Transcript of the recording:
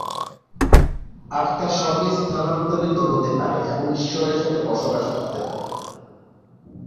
আত্মা স্বর্গে স্থানান্তরিত হতে পারে এবং ঈশ্বরের সাথে বসবাস করতে পারে।